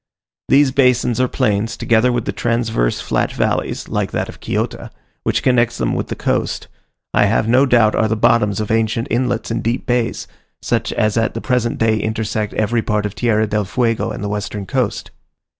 These basins or plains, together with the transverse flat valleys (like that of Quillota) which connect them with the coast, I have no doubt are the bottoms of ancient inlets and deep bays, such as at the present day intersect every part of Tierra del Fuego and the western coast.